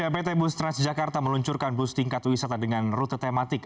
pt bus transjakarta meluncurkan bus tingkat wisata dengan rute tematik